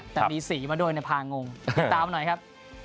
แต่มีสีมาด้วยในพางงตามหน่อยครับ